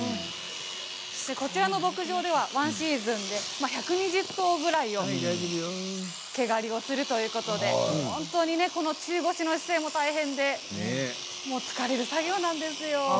こちらの牧場では１シーズンで１２０頭ぐらいの毛刈りをするということでこの中腰の姿勢も大変で疲れる作業なんですよ。